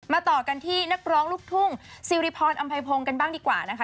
ต่อกันที่นักร้องลูกทุ่งซิริพรอำไพพงศ์กันบ้างดีกว่านะคะ